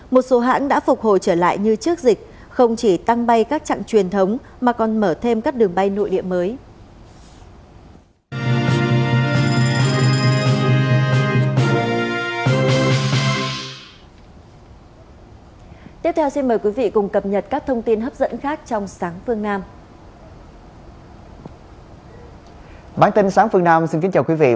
một số hãng đã phục hồi trở lại như trước dịch không chỉ tăng bay các trạng truyền thống mà còn mở thêm các đường bay nội địa mới